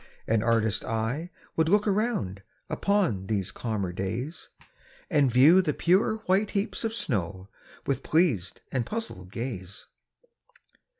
An artist's eye would look around, Upon these calmer days, And view the pure white heaps of snow, With pleas'd and puzzl'd gaze.